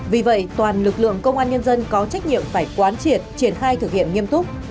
vì vậy toàn lực lượng công an nhân dân có trách nhiệm phải quán triệt triển khai thực hiện nghiêm túc